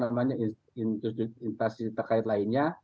dan apa namanya institusi terkait lainnya